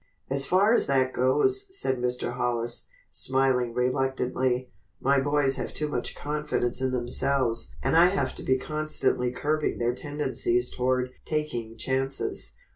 "As far as that goes," said Mr. Hollis, smiling reluctantly, "my boys have too much confidence in themselves and I have to be constantly curbing their tendencies toward taking chances.